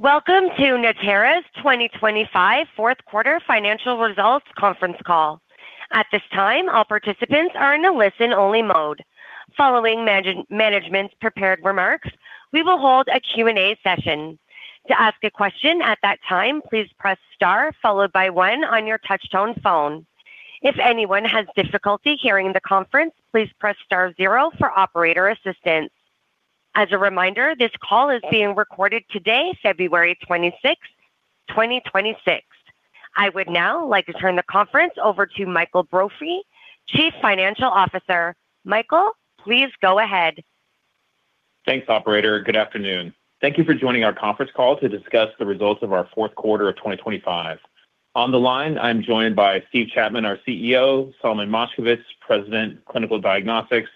Welcome to Natera's 2025 fourth quarter financial results conference call. At this time, all participants are in a listen-only mode. Following management's prepared remarks, we will hold a Q&A session. To ask a question at that time, please press Star, followed by One on your touchtone phone. If anyone has difficulty hearing the conference, please press Star zero for operator assistance. As a reminder, this call is being recorded today, February 26th, 2026. I would now like to turn the conference over to Michael Brophy, Chief Financial Officer. Michael, please go ahead. Thanks, operator. Good afternoon. Thank you for joining our conference call to discuss the results of our fourth quarter of 2025. On the line, I'm joined by Steve Chapman, our CEO, Solomon Moshkevich, President, Clinical Diagnostics,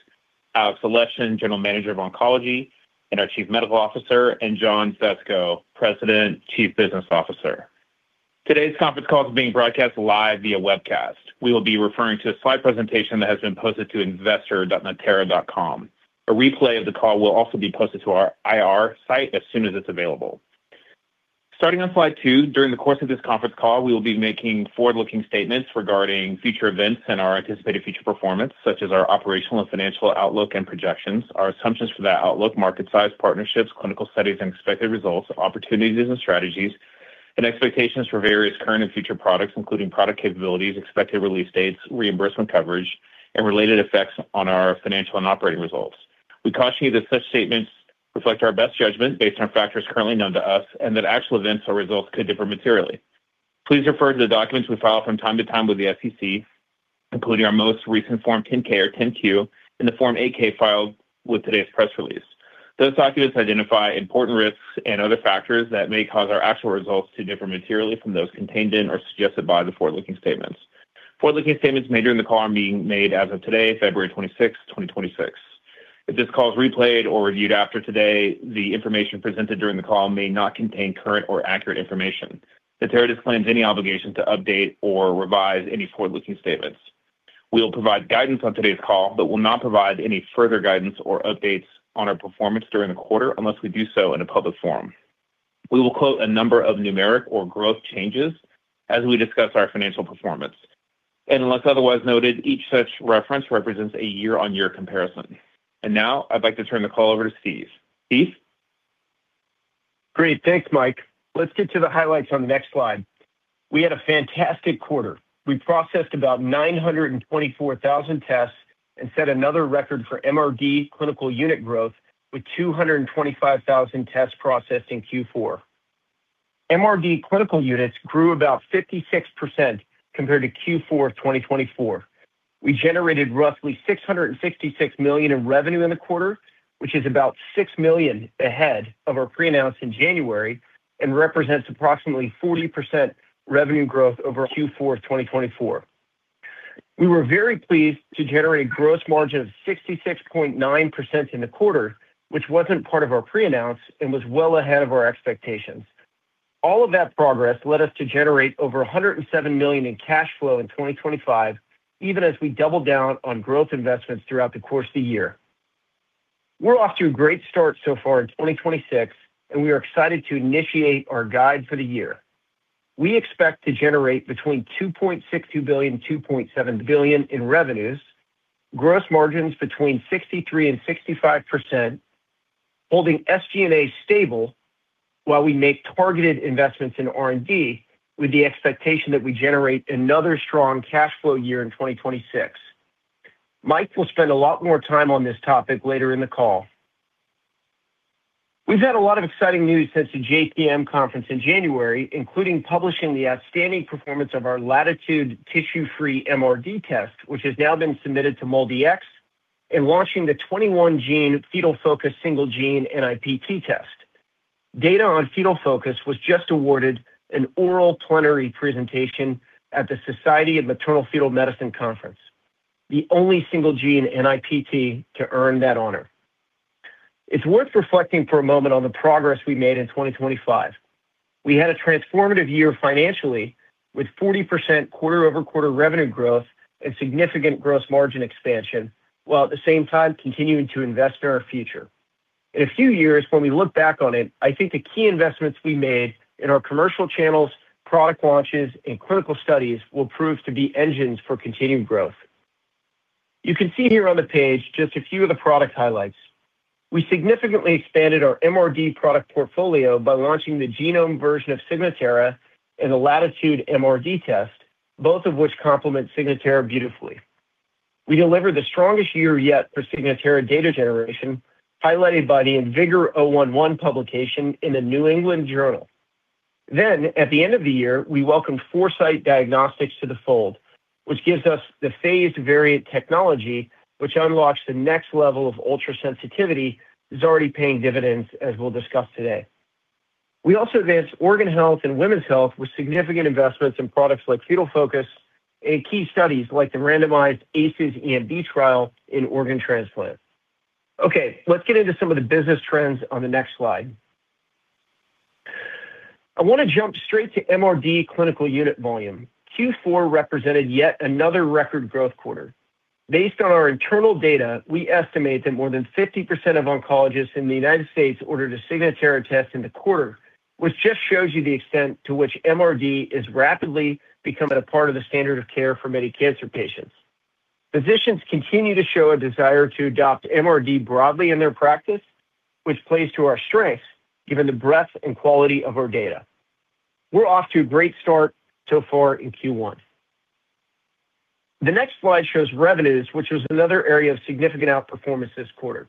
Alexey Aleshin, General Manager of Oncology, and our Chief Medical Officer, and John Fesko, President, Chief Business Officer. Today's conference call is being broadcast live via webcast. We will be referring to a slide presentation that has been posted to investor.natera.com. A replay of the call will also be posted to our IR site as soon as it's available. Starting on slide two, during the course of this conference call, we will be making forward-looking statements regarding future events and our anticipated future performance, such as our operational and financial outlook and projections, our assumptions for that outlook, market size, partnerships, clinical studies and expected results, opportunities and strategies, and expectations for various current and future products, including product capabilities, expected release dates, reimbursement coverage, and related effects on our financial and operating results. We caution you that such statements reflect our best judgment based on factors currently known to us, and that actual events or results could differ materially. Please refer to the documents we file from time to time with the SEC, including our most recent Form 10-K or 10-Q, and the Form 8-K filed with today's press release. Those documents identify important risks and other factors that may cause our actual results to differ materially from those contained in or suggested by the forward-looking statements. Forward-looking statements made during the call are being made as of today, February 26th, 2026. If this call is replayed or reviewed after today, the information presented during the call may not contain current or accurate information. Natera disclaims any obligation to update or revise any forward-looking statements. We will provide guidance on today's call, but will not provide any further guidance or updates on our performance during the quarter unless we do so in a public forum. We will quote a number of numeric or growth changes as we discuss our financial performance, and unless otherwise noted, each such reference represents a year-on-year comparison. Now I'd like to turn the call over to Steve. Steve? Great. Thanks, Mike. Let's get to the highlights on the next slide. We had a fantastic quarter. We processed about 924,000 tests and set another record for MRD clinical unit growth with 225,000 tests processed in Q4. MRD clinical units grew about 56% compared to Q4 of 2024. We generated roughly $666 million in revenue in the quarter, which is about $6 million ahead of our pre-announce in January and represents approximately 40% revenue growth over Q4 of 2024. We were very pleased to generate a gross margin of 66.9% in the quarter, which wasn't part of our pre-announce and was well ahead of our expectations. All of that progress led us to generate over $107 million in cash flow in 2025, even as we doubled down on growth investments throughout the course of the year. We're off to a great start so far in 2026, and we are excited to initiate our guide for the year. We expect to generate between $2.62 billion-$2.7 billion in revenues, gross margins between 63% and 65%, holding SG&A stable while we make targeted investments in R&D, with the expectation that we generate another strong cash flow year in 2026. Mike will spend a lot more time on this topic later in the call. We've had a lot of exciting news since the JPM conference in January, including publishing the outstanding performance of our Latitude tissue-free MRD test, which has now been submitted to MolDX, and launching the 21 gene Fetal Focus single gene NIPT test. Data on Fetal Focus was just awarded an oral plenary presentation at the Society for Maternal-Fetal Medicine Conference, the only single gene NIPT to earn that honor. It's worth reflecting for a moment on the progress we made in 2025. We had a transformative year financially, with 40% quarter-over-quarter revenue growth and significant gross margin expansion, while at the same time continuing to invest in our future. In a few years, when we look back on it, I think the key investments we made in our commercial channels, product launches, and clinical studies will prove to be engines for continued growth. You can see here on the page just a few of the product highlights. We significantly expanded our MRD product portfolio by launching the Genome version of Signatera and the Latitude MRD test, both of which complement Signatera beautifully. We delivered the strongest year yet for Signatera data generation, highlighted by the IMvigor011 publication in the New England Journal. At the end of the year, we welcomed Foresight Diagnostics to the fold, which gives us the phased variant technology, which unlocks the next level of ultra-sensitivity, is already paying dividends, as we'll discuss today. We also advanced Organ Health and Women's Health with significant investments in products like Fetal Focus and key studies like the randomized ACES-EMB trial in organ transplant. Okay, let's get into some of the business trends on the next slide. I want to jump straight to MRD clinical unit volume. Q4 represented yet another record growth quarter. Based on our internal data, we estimate that more than 50% of oncologists in the United States ordered a Signatera test in the quarter, which just shows you the extent to which MRD is rapidly becoming a part of the standard of care for many cancer patients. Physicians continue to show a desire to adopt MRD broadly in their practice, which plays to our strengths, given the breadth and quality of our data. We're off to a great start so far in Q1. The next slide shows revenues, which was another area of significant outperformance this quarter.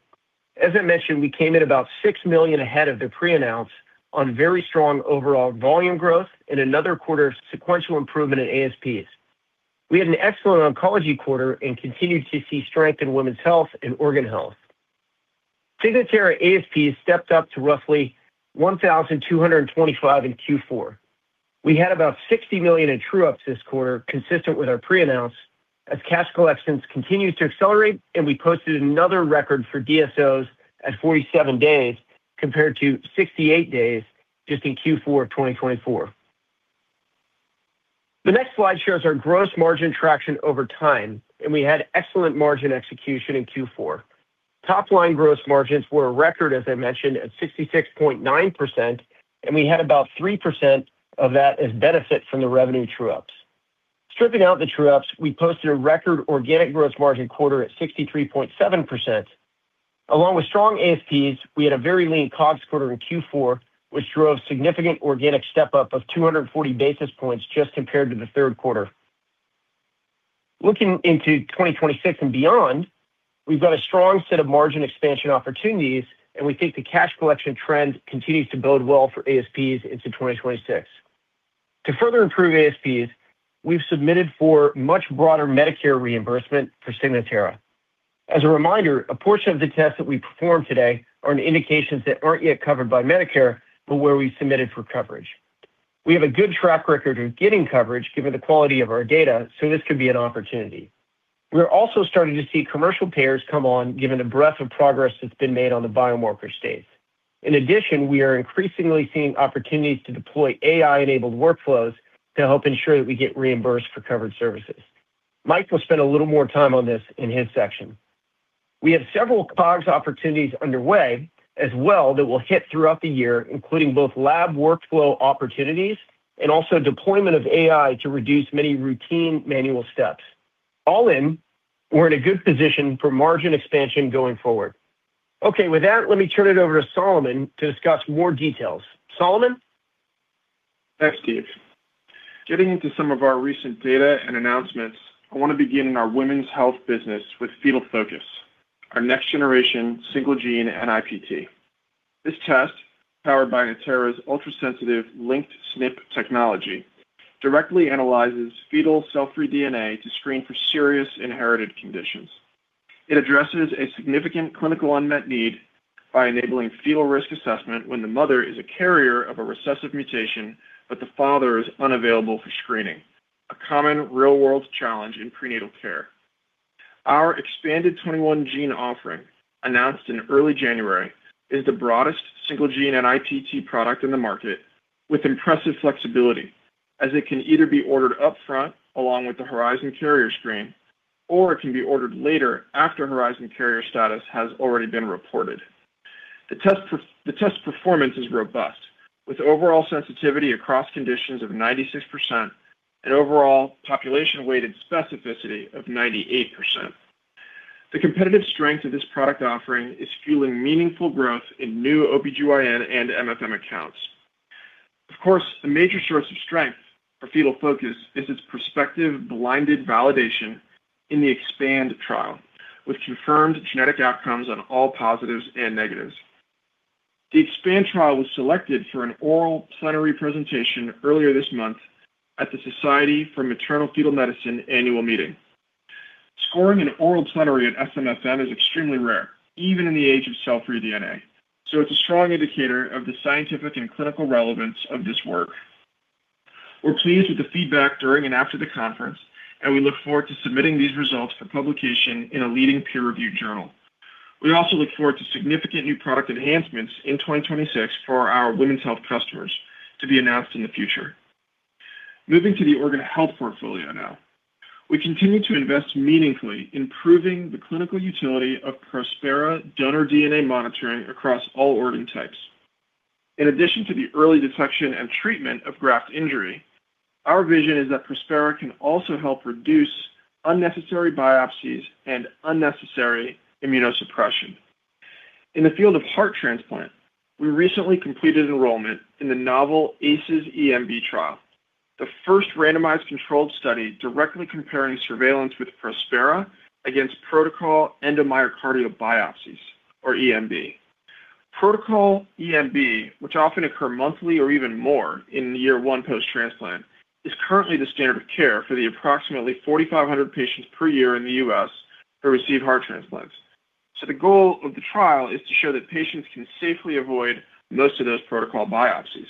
As I mentioned, we came in about $6 million ahead of the pre-announce on very strong overall volume growth and another quarter of sequential improvement in ASPs. We had an excellent oncology quarter and continued to see strength in Women's Health and Organ Health. Signatera ASPs stepped up to roughly $1,225 in Q4. We had about $60 million in true-ups this quarter, consistent with our pre-announce, as cash collections continues to accelerate. We posted another record for DSOs at 47 days compared to 68 days just in Q4 of 2024. The next slide shows our gross margin traction over time. We had excellent margin execution in Q4. Top-line gross margins were a record, as I mentioned, at 66.9%. We had about 3% of that as benefit from the revenue true-ups. Stripping out the true-ups, we posted a record organic gross margin quarter at 63.7%. Along with strong ASPs, we had a very lean COGS quarter in Q4, which drove significant organic step-up of 240 basis points just compared to the third quarter. Looking into 2026 and beyond, we've got a strong set of margin expansion opportunities, and we think the cash collection trend continues to bode well for ASPs into 2026. To further improve ASPs, we've submitted for much broader Medicare reimbursement for Signatera. As a reminder, a portion of the tests that we perform today are in indications that aren't yet covered by Medicare, but where we submitted for coverage. We have a good track record of getting coverage, given the quality of our data. This could be an opportunity. We are also starting to see commercial payers come on, given the breadth of progress that's been made on the biomarker space. In addition, we are increasingly seeing opportunities to deploy AI-enabled workflows to help ensure that we get reimbursed for covered services. Mike will spend a little more time on this in his section. We have several COGS opportunities underway as well that will hit throughout the year, including both lab workflow opportunities and also deployment of AI to reduce many routine manual steps. All in, we're in a good position for margin expansion going forward. Okay. With that, let me turn it over to Solomon to discuss more details. Solomon? Thanks, Steve. Getting into some of our recent data and announcements, I want to begin in our Women's Health business with Fetal Focus, our next-generation single-gene NIPT. This test, powered by Natera's ultrasensitive LinkedSNP technology, directly analyzes fetal cell-free DNA to screen for serious inherited conditions. It addresses a significant clinical unmet need by enabling fetal risk assessment when the mother is a carrier of a recessive mutation, but the father is unavailable for screening, a common real-world challenge in prenatal care. Our expanded 21 gene offering, announced in early January, is the broadest single gene NIPT product in the market with impressive flexibility, as it can either be ordered upfront along with the Horizon Carrier Screen, or it can be ordered later after Horizon carrier status has already been reported. The test performance is robust, with overall sensitivity across conditions of 96% and overall population-weighted specificity of 98%. The competitive strength of this product offering is fueling meaningful growth in new OBGYN and MFM accounts. A major source of strength for Fetal Focus is its prospective blinded validation in the EXPAND trial, which confirmed genetic outcomes on all positives and negatives. The EXPAND trial was selected for an oral plenary presentation earlier this month at the Society for Maternal-Fetal Medicine annual meeting. Scoring an oral plenary at SMFM is extremely rare, even in the age of cell-free DNA, it's a strong indicator of the scientific and clinical relevance of this work. We're pleased with the feedback during and after the conference, we look forward to submitting these results for publication in a leading peer-reviewed journal. We also look forward to significant new product enhancements in 2026 for our Women's Health customers to be announced in the future. Moving to the Organ Health portfolio now. We continue to invest meaningfully in improving the clinical utility of Prospera donor DNA monitoring across all organ types. In addition to the early detection and treatment of graft injury, our vision is that Prospera can also help reduce unnecessary biopsies and unnecessary immunosuppression. In the field of heart transplant, we recently completed enrollment in the novel ACES-EMB trial, the first randomized controlled study directly comparing surveillance with Prospera against protocol endomyocardial biopsies, or EMB. Protocol EMB, which often occur monthly or even more in year one post-transplant, is currently the standard of care for the approximately 4,500 patients per year in the U.S. who receive heart transplants. The goal of the trial is to show that patients can safely avoid most of those protocol biopsies.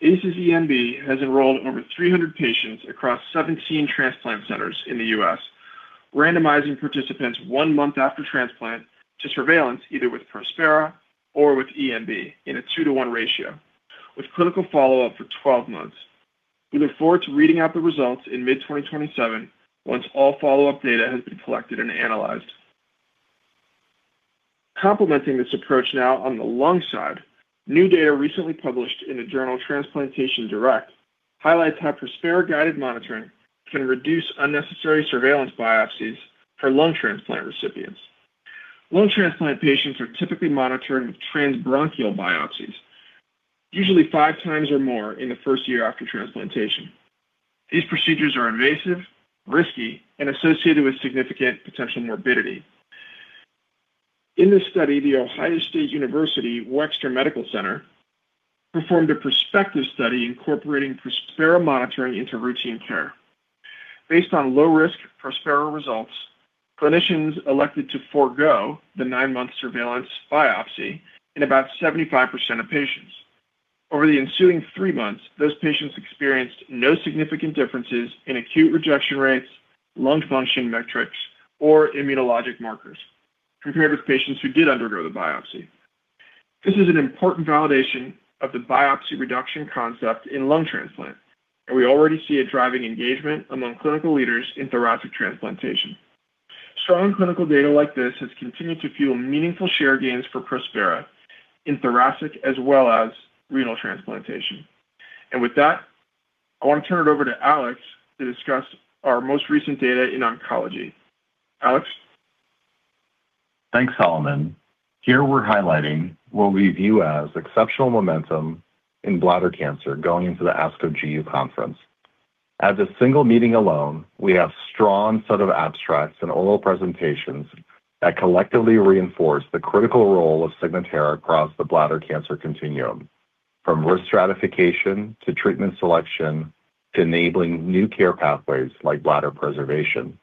ACES-EMB has enrolled over 300 patients across 17 transplant centers in the U.S., randomizing participants 1 month after transplant to surveillance either with Prospera or with EMB in a 2-to-1 ratio, with critical follow-up for 12 months. We look forward to reading out the results in mid-2027 once all follow-up data has been collected and analyzed. Complementing this approach now on the lung side, new data recently published in the journal Transplantation Direct highlights how Prospera-guided monitoring can reduce unnecessary surveillance biopsies for lung transplant recipients. Lung transplant patients are typically monitored with transbronchial biopsies, usually five times or more in the first year after transplantation. These procedures are invasive, risky, and associated with significant potential morbidity. In this study, The Ohio State University Wexner Medical Center performed a prospective study incorporating Prospera monitoring into routine care. Based on low-risk Prospera results, clinicians elected to forego the nine-month surveillance biopsy in about 75% of patients. Over the ensuing three months, those patients experienced no significant differences in acute rejection rates, lung function metrics, or immunologic markers compared with patients who did undergo the biopsy. This is an important validation of the biopsy reduction concept in lung transplant, and we already see a driving engagement among clinical leaders in thoracic transplantation. Strong clinical data like this has continued to fuel meaningful share gains for Prospera in thoracic as well as renal transplantation. With that, I want to turn it over to Alex to discuss our most recent data in oncology. Alex? Thanks, Solomon. Here we're highlighting what we view as exceptional momentum in bladder cancer going into the ASCO GU conference. As a single meeting alone, we have strong set of abstracts and oral presentations that collectively reinforce the critical role of Signatera across the bladder cancer continuum, from risk stratification to treatment selection to enabling new care pathways like bladder preservation.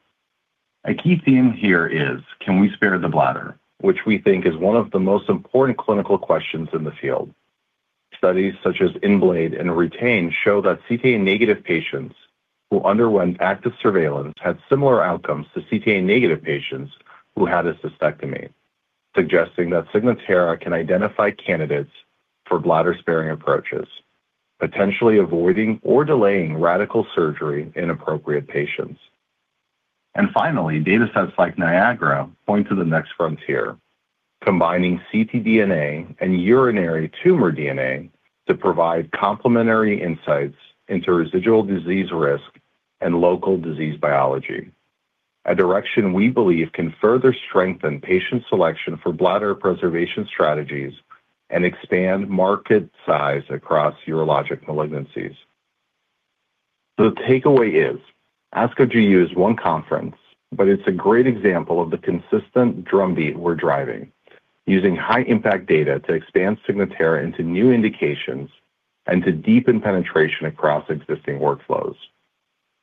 A key theme here is, can we spare the bladder? Which we think is one of the most important clinical questions in the field. Studies such as INDIBLADE and RETAIN show that ctDNA-negative patients who underwent active surveillance had similar outcomes to ctDNA-negative patients who had a cystectomy, suggesting that Signatera can identify candidates for bladder-sparing approaches, potentially avoiding or delaying radical surgery in appropriate patients. Finally, data sets like NIAGARA point to the next frontier, combining ctDNA and urinary tumor DNA to provide complementary insights into residual disease risk and local disease biology, a direction we believe can further strengthen patient selection for bladder preservation strategies and expand market size across urologic malignancies. The takeaway is, ASCO GU is one conference, but it's a great example of the consistent drumbeat we're driving, using high-impact data to expand Signatera into new indications and to deepen penetration across existing workflows.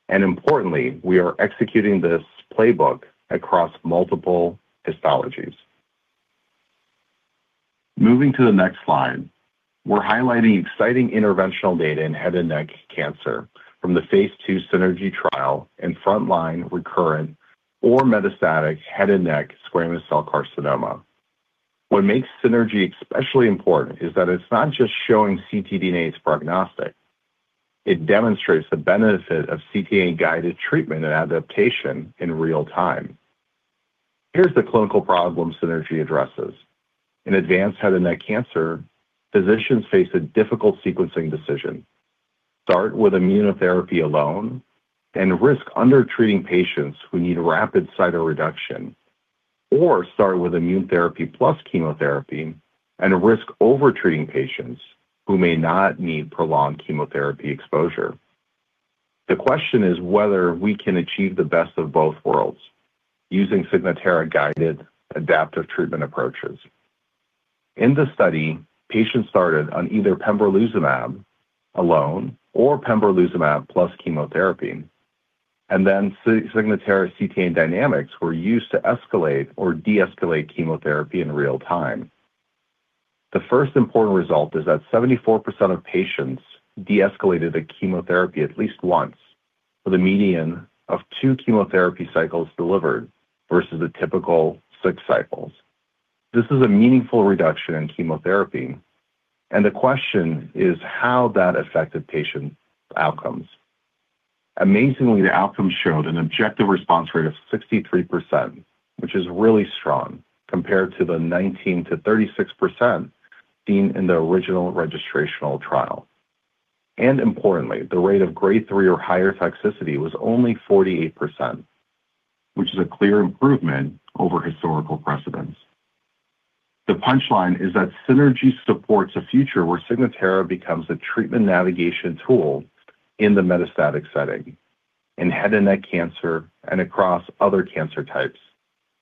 Importantly, we are executing this playbook across multiple histologies. Moving to the next slide, we're highlighting exciting interventional data in head and neck cancer from the phase II SINERGY trial in frontline recurrent or metastatic head and neck squamous cell carcinoma. What makes SINERGY especially important is that it's not just showing ctDNA's prognostic. It demonstrates the benefit of ctDNA-guided treatment and adaptation in real time. Here's the clinical problem SINERGY addresses. In advanced head and neck cancer, physicians face a difficult sequencing decision. Start with immunotherapy alone and risk undertreating patients who need rapid cytoreduction, or start with immune therapy plus chemotherapy and risk overtreating patients who may not need prolonged chemotherapy exposure. The question is whether we can achieve the best of both worlds using Signatera-guided adaptive treatment approaches. In the study, patients started on either pembrolizumab alone or pembrolizumab plus chemotherapy, and then Signatera ctDNA dynamics were used to escalate or deescalate chemotherapy in real time. The first important result is that 74% of patients deescalated the chemotherapy at least once for the median of two chemotherapy cycles delivered versus the typical six cycles. This is a meaningful reduction in chemotherapy, and the question is how that affected patient outcomes. Amazingly, the outcomes showed an objective response rate of 63%, which is really strong compared to the 19%-36% seen in the original registrational trial. Importantly, the rate of Grade 3 or higher toxicity was only 48%, which is a clear improvement over historical precedents. The punchline is that SINERGY supports a future where Signatera becomes a treatment navigation tool in the metastatic setting, in head and neck cancer and across other cancer types,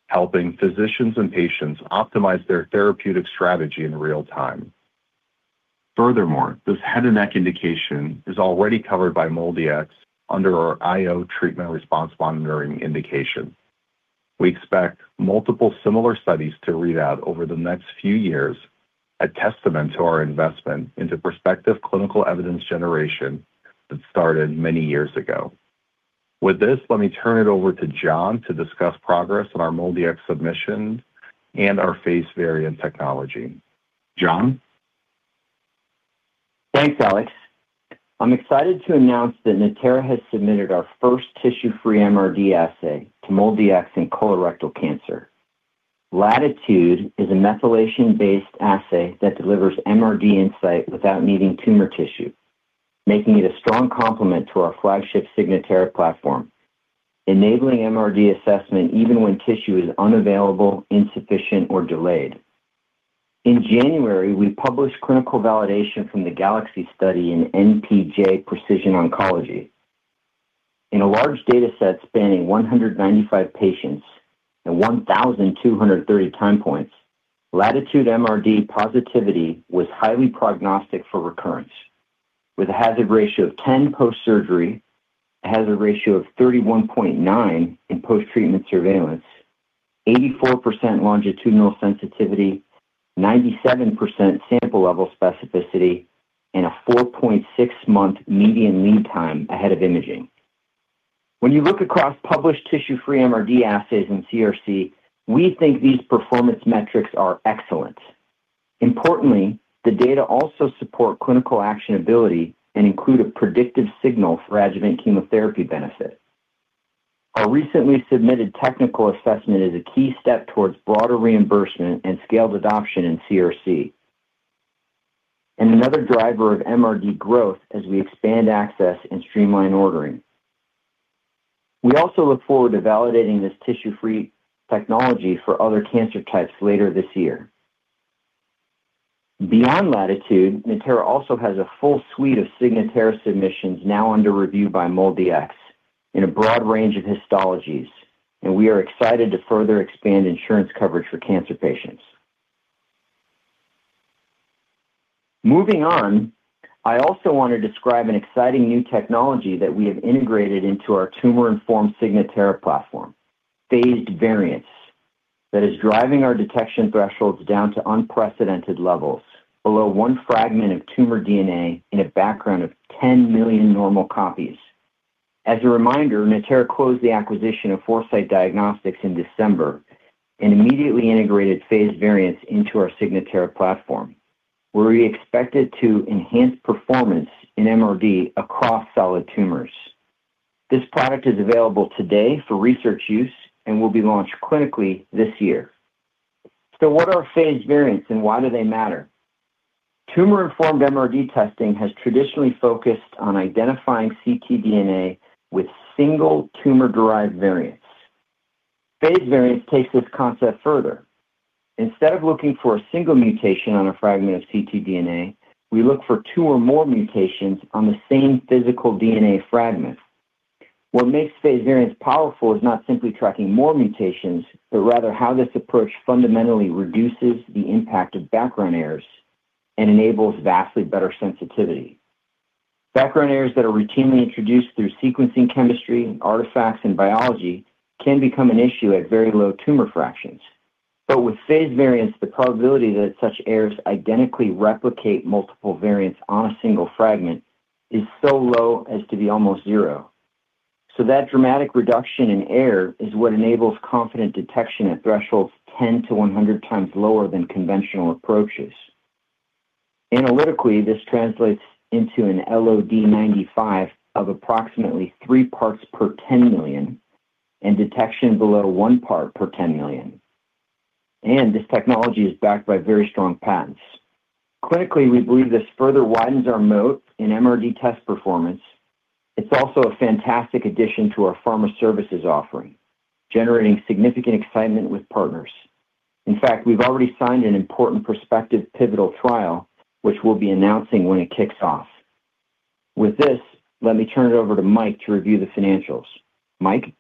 helping physicians and patients optimize their therapeutic strategy in real time. Furthermore, this head and neck indication is already covered by MolDX under our IO treatment response monitoring indication. We expect multiple similar studies to read out over the next few years, a testament to our investment into prospective clinical evidence generation that started many years ago. With this, let me turn it over to John to discuss progress on our MolDX submission and our phased variant technology. John? Thanks, Alex. I'm excited to announce that Natera has submitted our first tissue-free MRD assay to MolDX and colorectal cancer. Latitude is a methylation-based assay that delivers MRD insight without needing tumor tissue, making it a strong complement to our flagship Signatera platform, enabling MRD assessment even when tissue is unavailable, insufficient, or delayed. In January, we published clinical validation from the GALAXY study in npj Precision Oncology. In a large data set spanning 195 patients and 1,230 time points, Latitude MRD positivity was highly prognostic for recurrence, with a hazard ratio of 10 post-surgery, a hazard ratio of 31.9 in post-treatment surveillance, 84% longitudinal sensitivity, 97% sample level specificity, and a 4.6-month median lead time ahead of imaging. When you look across published tissue-free MRD assays in CRC, we think these performance metrics are excellent. Importantly, the data also support clinical actionability and include a predictive signal for adjuvant chemotherapy benefit. Our recently submitted technical assessment is a key step towards broader reimbursement and scaled adoption in CRC, and another driver of MRD growth as we expand access and streamline ordering. We also look forward to validating this tissue-free technology for other cancer types later this year. Beyond Latitude, Natera also has a full suite of Signatera submissions now under review by MolDX in a broad range of histologies, and we are excited to further expand insurance coverage for cancer patients. Moving on, I also want to describe an exciting new technology that we have integrated into our tumor-informed Signatera platform, phased variants, that is driving our detection thresholds down to unprecedented levels, below one fragment of tumor DNA in a background of 10 million normal copies. As a reminder, Natera closed the acquisition of Foresight Diagnostics in December and immediately integrated phased variants into our Signatera platform, where we expect it to enhance performance in MRD across solid tumors. This product is available today for research use and will be launched clinically this year. What are phased variants and why do they matter? Tumor-informed MRD testing has traditionally focused on identifying ctDNA with single tumor-derived variants. Phased variants takes this concept further. Instead of looking for a single mutation on a fragment of ctDNA, we look for two or more mutations on the same physical DNA fragment. What makes phased variants powerful is not simply tracking more mutations, but rather how this approach fundamentally reduces the impact of background errors and enables vastly better sensitivity. Background errors that are routinely introduced through sequencing chemistry, artifacts, and biology can become an issue at very low tumor fractions. With phased variants, the probability that such errors identically replicate multiple variants on a single fragment is so low as to be almost zero. That dramatic reduction in error is what enables confident detection at thresholds 10 to 100 times lower than conventional approaches. Analytically, this translates into an LOD 95 of approximately three parts per 10 million and detection below one part per 10 million. This technology is backed by very strong patents. Clinically, we believe this further widens our moat in MRD test performance. It's also a fantastic addition to our pharma services offering, generating significant excitement with partners. In fact, we've already signed an important prospective pivotal trial, which we'll be announcing when it kicks off. With this, let me turn it over to Mike to review the financials. Mike?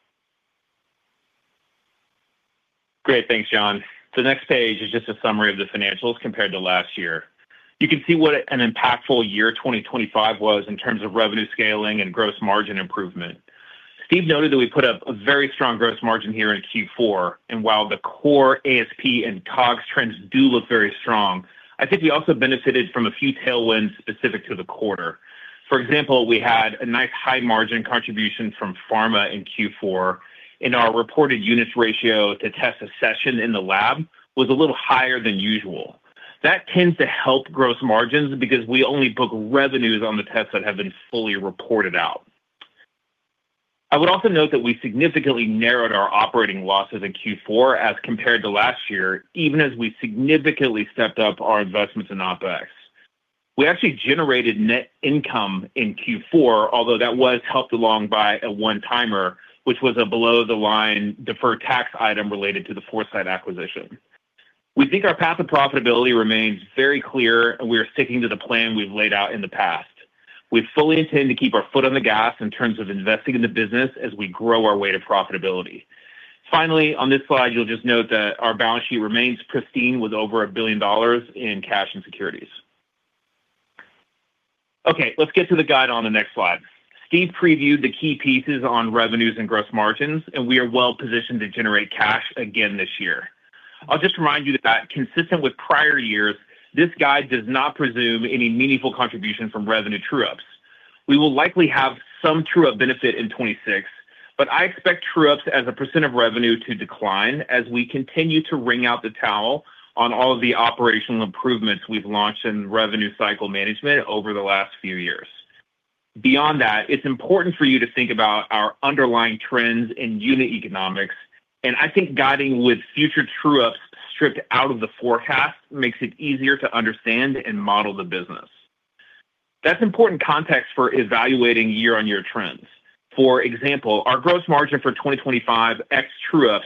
Great. Thanks, John. The next page is just a summary of the financials compared to last year. You can see what an impactful year 2025 was in terms of revenue scaling and gross margin improvement. Steve noted that we put up a very strong gross margin here in Q4. While the core ASP and COGS trends do look very strong, I think we also benefited from a few tailwinds specific to the quarter. For example, we had a nice high margin contribution from pharma in Q4, and our reported units ratio to test a session in the lab was a little higher than usual. That tends to help gross margins because we only book revenues on the tests that have been fully reported out. I would also note that we significantly narrowed our operating losses in Q4 as compared to last year, even as we significantly stepped up our investments in OpEx. We actually generated net income in Q4, although that was helped along by a one-timer, which was a below-the-line deferred tax item related to the Foresight acquisition. We think our path of profitability remains very clear, and we are sticking to the plan we've laid out in the past. We fully intend to keep our foot on the gas in terms of investing in the business as we grow our way to profitability. Finally, on this slide, you'll just note that our balance sheet remains pristine with over $1 billion in cash and securities. Okay, let's get to the guide on the next slide. Steve previewed the key pieces on revenues and gross margins, and we are well positioned to generate cash again this year. I'll just remind you that consistent with prior years, this guide does not presume any meaningful contribution from revenue true-ups. We will likely have some true-up benefit in 2026, but I expect true-ups as a percent of revenue to decline as we continue to wring out the towel on all of the operational improvements we've launched in revenue cycle management over the last few years. Beyond that, it's important for you to think about our underlying trends in unit economics, and I think guiding with future true-ups stripped out of the forecast makes it easier to understand and model the business. That's important context for evaluating year-on-year trends. For example, our gross margin for 2025 ex true-ups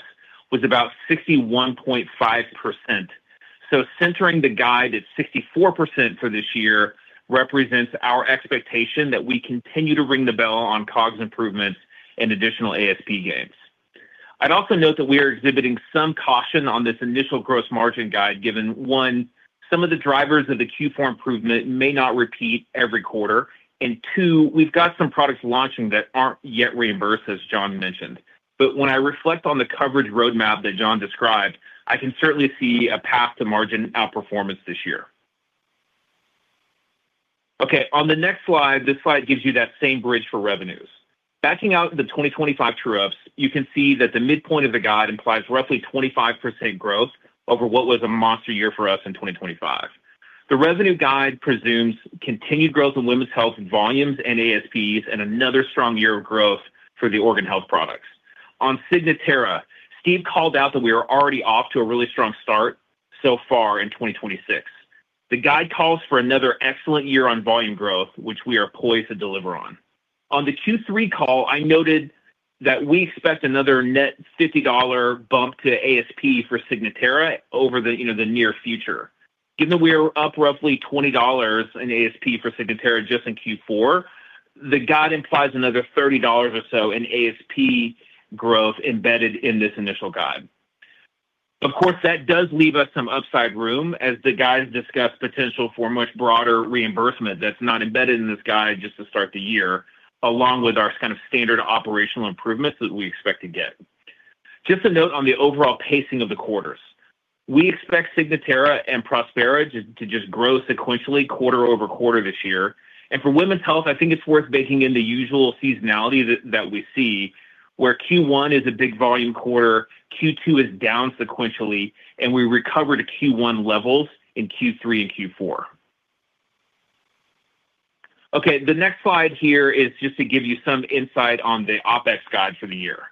was about 61.5%. Centering the guide at 64% for this year represents our expectation that we continue to ring the bell on COGS improvements and additional ASP gains. I'd also note that we are exhibiting some caution on this initial gross margin guide, given, one, some of the drivers of the Q4 improvement may not repeat every quarter, and two, we've got some products launching that aren't yet reimbursed, as John mentioned. When I reflect on the coverage roadmap that John described, I can certainly see a path to margin outperformance this year. On the next slide, this slide gives you that same bridge for revenues. Backing out the 2025 true-ups, you can see that the midpoint of the guide implies roughly 25% growth over what was a monster year for us in 2025. The revenue guide presumes continued growth in Women's Health volumes and ASPs, and another strong year of growth for the Organ Health products. On Signatera, Steve called out that we are already off to a really strong start so far in 2026. The guide calls for another excellent year on volume growth, which we are poised to deliver on. On the Q3 call, I noted that we expect another net $50 bump to ASP for Signatera over the, you know, the near future. Given that we are up roughly $20 in ASP for Signatera just in Q4, the guide implies another $30 or so in ASP growth embedded in this initial guide. That does leave us some upside room, as the guides discuss potential for much broader reimbursement that's not embedded in this guide just to start the year, along with our kind of standard operational improvements that we expect to get. A note on the overall pacing of the quarters. We expect Signatera and Prospera to just grow sequentially quarter-over-quarter this year. For Women's Health, I think it's worth baking in the usual seasonality that we see, where Q1 is a big volume quarter, Q2 is down sequentially, and we recover to Q1 levels in Q3 and Q4. The next slide here is just to give you some insight on the OpEx guide for the year.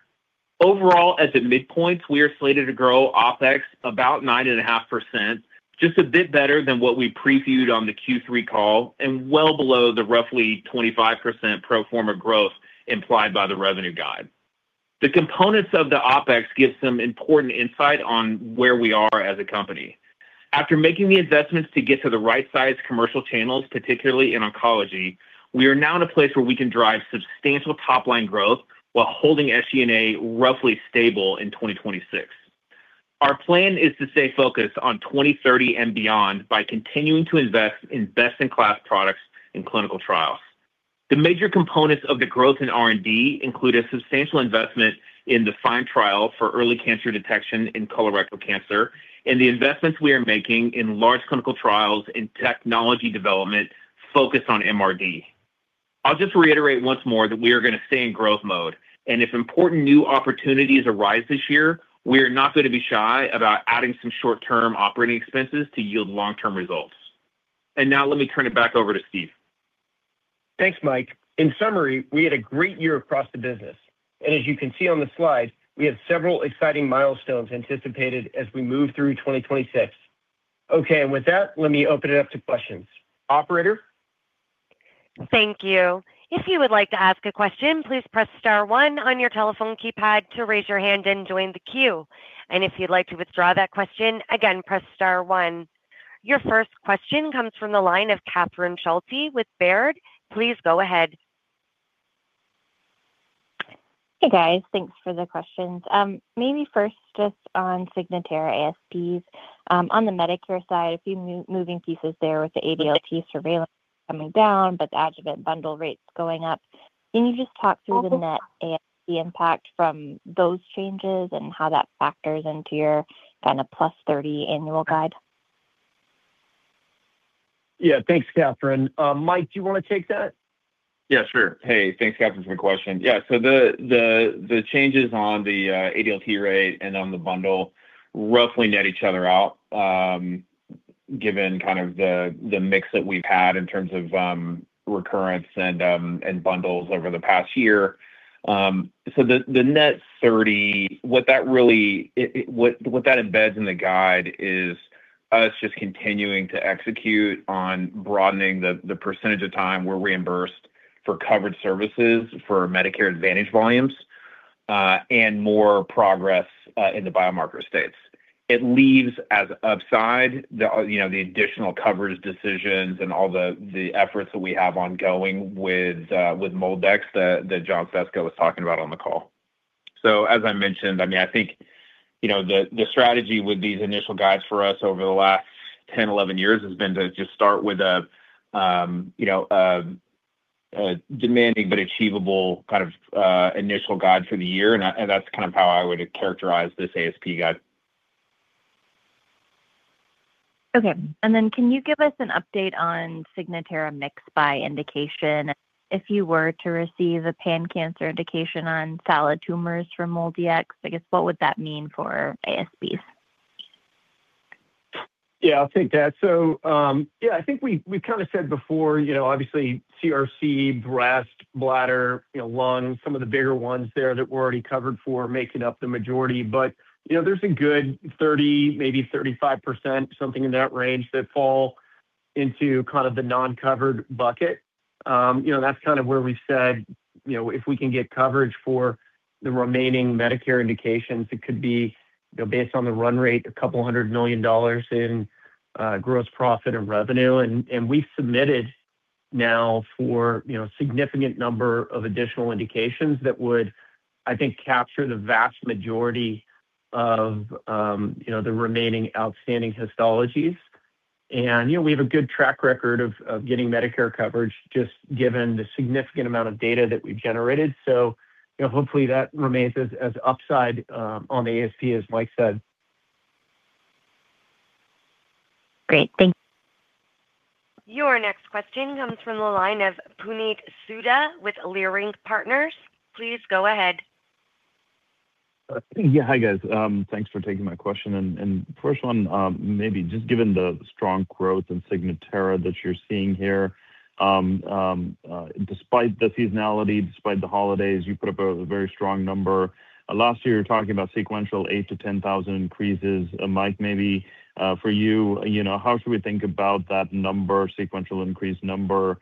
Overall, at the midpoints, we are slated to grow OpEx about 9.5%, just a bit better than what we previewed on the Q3 call. Well below the roughly 25% pro forma growth implied by the revenue guide. The components of the OpEx give some important insight on where we are as a company. After making the investments to get to the right-sized commercial channels, particularly in oncology, we are now in a place where we can drive substantial top-line growth while holding SG&A roughly stable in 2026. Our plan is to stay focused on 2030 and beyond by continuing to invest in best-in-class products and clinical trials. The major components of the growth in R&D include a substantial investment in DEFINE trial for early cancer detection in colorectal cancer, and the investments we are making in large clinical trials and technology development focused on MRD. I'll just reiterate once more that we are gonna stay in growth mode, and if important new opportunities arise this year, we are not gonna be shy about adding some short-term operating expenses to yield long-term results. Now let me turn it back over to Steve. Thanks, Mike. In summary, we had a great year across the business. As you can see on the slide, we have several exciting milestones anticipated as we move through 2026. With that, let me open it up to questions. Operator? Thank you. If you would like to ask a question, please press star one on your telephone keypad to raise your hand and join the queue. If you'd like to withdraw that question, again, press star one. Your first question comes from the line of Catherine Schulte with Baird. Please go ahead. Hey, guys. Thanks for the questions. Maybe first, just on Signatera ASPs, on the Medicare side, a few moving pieces there with the ADLT surveillance coming down, but the adjuvant bundle rates going up. Can you just talk through the net ASP impact from those changes and how that factors into your kind of +$30 annual guide? Thanks, Catherine. Mike, do you wanna take that? Sure. Hey, thanks, Katherine, for the question. The changes on the ADLT rate and on the bundle roughly net each other out, given kind of the mix that we've had in terms of recurrence and bundles over the past year. The net $30, what that embeds in the guide is us just continuing to execute on broadening the percentage of time we're reimbursed for covered services for Medicare Advantage volumes, and more progress in the biomarker states. It leaves as upside, you know, the additional coverage decisions and all the efforts that we have ongoing with MolDX that John Fesko was talking about on the call. As I mentioned, I mean, I think, you know, the strategy with these initial guides for us over the last 10, 11 years has been to just start with a, you know, a demanding but achievable kind of initial guide for the year. And that's kind of how I would characterize this ASP guide. Okay. Can you give us an update on Signatera mix by indication? If you were to receive a pan-cancer indication on solid tumors from MolDX, I guess what would that mean for ASPs? Yeah, I'll take that. Yeah, I think we've kinda said before, you know, obviously CRC, breast, bladder, you know, lung, some of the bigger ones there that we're already covered for making up the majority. You know, there's a good 30%, maybe 35%, something in that range, that fall into kind of the non-covered bucket. You know, that's kind of where we said, you know, if we can get coverage for the remaining Medicare indications, it could be, you know, based on the run rate, $200 million in gross profit and revenue. We've submitted now for, you know, significant number of additional indications that would, I think, capture the vast majority of, you know, the remaining outstanding histologies. You know, we have a good track record of getting Medicare coverage just given the significant amount of data that we've generated. You know, hopefully that remains as upside on the ASP, as Mike said. Great. Thanks. Your next question comes from the line of Puneet Souda with Leerink Partners. Please go ahead. Yeah. Hi, guys. Thanks for taking my question. First one, maybe just given the strong growth in Signatera that you're seeing here, despite the seasonality, despite the holidays, you put up a very strong number. Last year, you were talking about sequential 8,000-10,000 increases. Mike, maybe for you know, how should we think about that number, sequential increase number,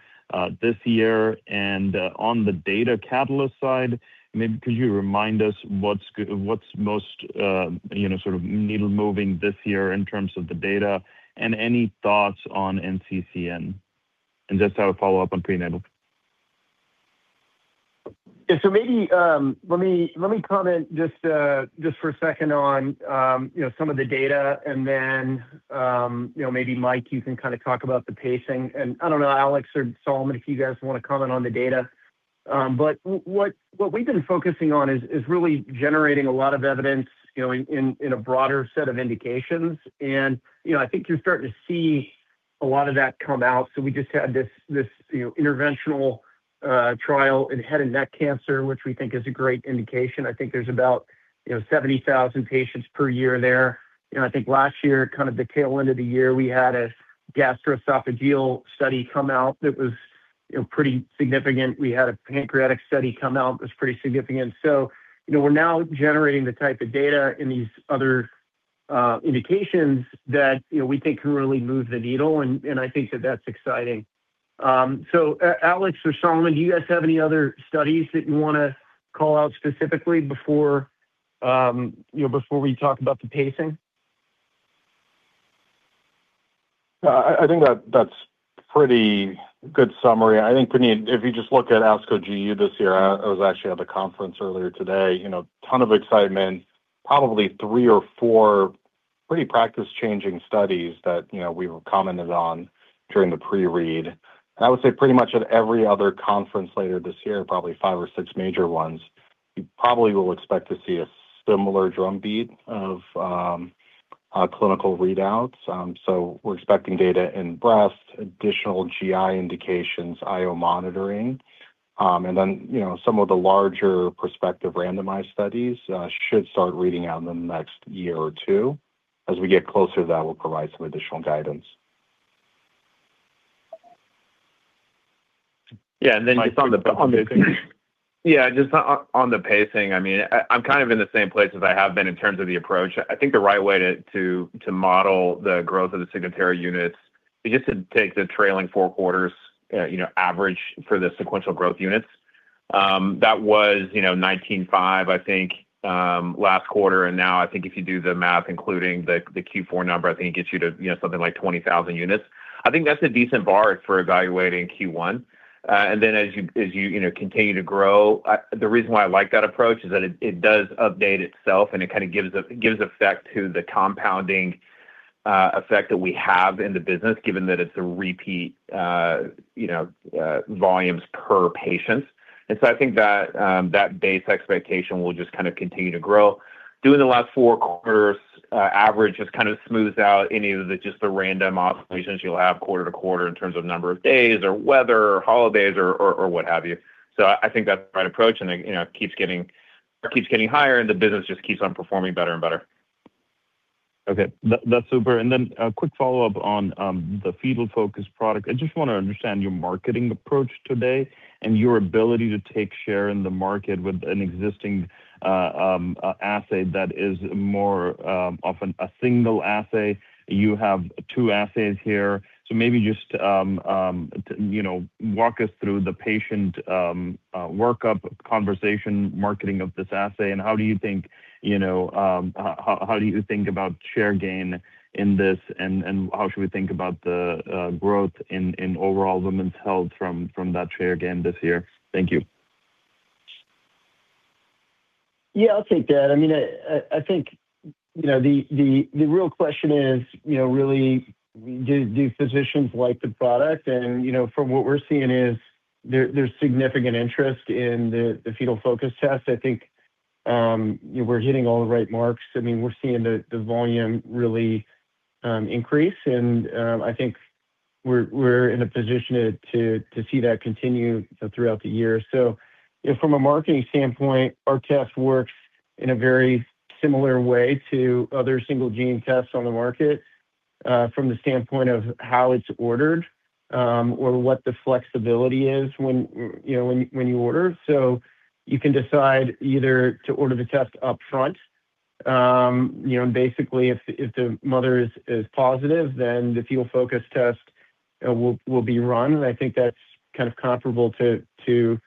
this year? On the data catalyst side, maybe could you remind us what's most, you know, sort of needle-moving this year in terms of the data and any thoughts on NCCN? Just have a follow-up on prenatal. Maybe, let me comment just for a second on, you know, some of the data, then, you know, Mike, you can kinda talk about the pacing. I don't know, Alex or Solomon, if you guys wanna comment on the data. What we've been focusing on is really generating a lot of evidence, you know, in a broader set of indications. You know, I think you're starting to see a lot of that come out. We just had this, you know, interventional trial in head and neck cancer, which we think is a great indication. I think there's about, you know, 70,000 patients per year there. You know, I think last year, kind of the tail end of the year, we had a gastroesophageal study come out that was, you know, pretty significant. We had a pancreatic study come out that was pretty significant. You know, we're now generating the type of data in these other indications that, you know, we think can really move the needle, and I think that that's exciting. Alex or Solomon, do you guys have any other studies that you wanna call out specifically before, you know, before we talk about the pacing? I think that that's pretty good summary. I think, Puneet, if you just look at ASCO GU this year, I was actually at the conference earlier today, you know, ton of excitement, probably three or four pretty practice-changing studies that, you know, we've commented on during the pre-read. I would say pretty much at every other conference later this year, probably five or six major ones, you probably will expect to see a similar drumbeat of clinical readouts. We're expecting data in breast, additional GI indications, IO monitoring. You know, some of the larger prospective randomized studies should start reading out in the next year or two. As we get closer, that will provide some additional guidance. Yeah. just on the. Mike, do you want to- Yeah, just on the pacing, I mean, I'm kind of in the same place as I have been in terms of the approach. I think the right way to model the growth of the Signatera units is just to take the trailing four quarters, you know, average for the sequential growth units. That was, you know, 19,500, I think, last quarter. Now I think if you do the math, including the Q4 number, I think it gets you to, you know, something like 20,000 units. I think that's a decent bar for evaluating Q1. As you know, continue to grow, the reason why I like that approach is that it does update itself, and it kinda gives effect to the compounding effect that we have in the business, given that it's a repeat, you know, volumes per patient. I think that base expectation will just kind of continue to grow. Doing the last four quarters, average just kind of smooths out any of the, just the random oscillations you'll have quarter-to-quarter in terms of number of days or weather or holidays or what have you. I think that's the right approach, and it, you know, keeps getting higher, and the business just keeps on performing better and better. Okay. That's super. A quick follow-up on the Fetal Focus product. I just wanna understand your marketing approach today and your ability to take share in the market with an existing assay that is more often a single assay. You have two assays here. Maybe just, you know, walk us through the patient workup conversation marketing of this assay and how do you think, you know, how do you think about share gain in this and how should we think about the growth in overall Women's Health from that share gain this year? Thank you. Yeah, I'll take that. I mean, I think, you know, the real question is, you know, really, do physicians like the product? From what we're seeing is there's significant interest in the Fetal Focus test. I think we're hitting all the right marks. I mean, we're seeing the volume really increase, and I think we're in a position to see that continue throughout the year. From a marketing standpoint, our test works in a very similar way to other single gene tests on the market, from the standpoint of how it's ordered, or what the flexibility is when you order. You can decide either to order the test upfront, you know, and basically, if the mother is positive, then the Fetal Focus test will be run, and I think that's kind of comparable to, you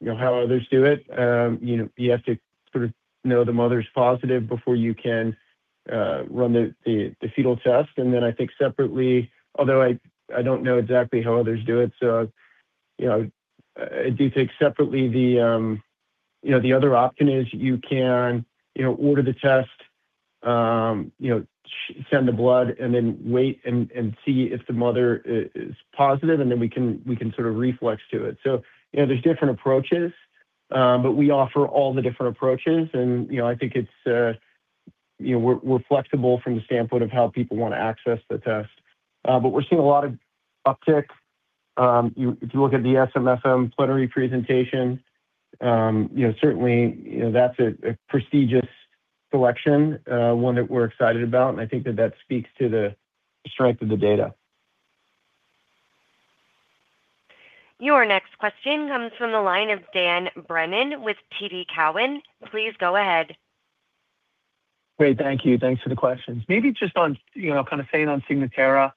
know, how others do it. You know, you have to sort of know the mother's positive before you can run the fetal test, and then I think separately, although I don't know exactly how others do it, so, you know, I do think separately, you know, the other option is you can, you know, order the test, you know, send the blood and then wait and see if the mother is positive, and then we can sort of reflex to it. you know, there's different approaches, but we offer all the different approaches, and, you know, I think it's, you know, we're flexible from the standpoint of how people want to access the test. We're seeing a lot of uptick. If you look at the SMFM plenary presentation, you know, certainly, you know, that's a prestigious selection, one that we're excited about, and I think that that speaks to the strength of the data. Your next question comes from the line of Dan Brennan with TD Cowen. Please go ahead. Great, thank you. Thanks for the questions. Maybe just on, you know, kind of staying on Signatera,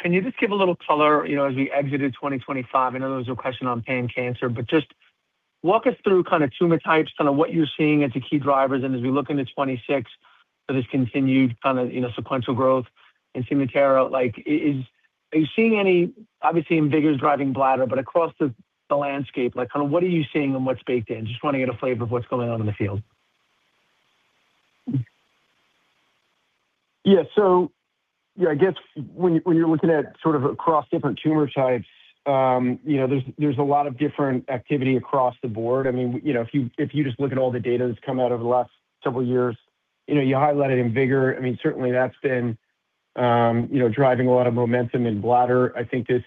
can you just give a little color, you know, as we exited 2025? I know there was a question on pan cancer, but just walk us through kind of tumor types, kind of what you're seeing as the key drivers and as we look into 2026 for this continued kind of, you know, sequential growth in Signatera. Like, are you seeing any, obviously, IMvigor011 driving bladder, but across the landscape, like, kind of what are you seeing and what's baked in? Just want to get a flavor of what's going on in the field. I guess when you, when you're looking at sort of across different tumor types, you know, there's a lot of different activity across the board. I mean, you know, if you, if you just look at all the data that's come out over the last several years, you know, you highlight IMvigor011. I mean, certainly that's been, you know, driving a lot of momentum in bladder. I think this,